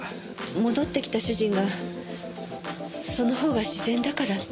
戻ってきた主人がその方が自然だからって。